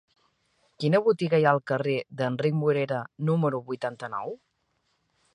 Quina botiga hi ha al carrer d'Enric Morera número vuitanta-nou?